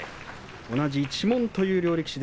同じ一門という両力士。